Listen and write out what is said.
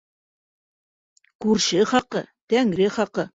Күрше хаҡы - тәңре хаҡы...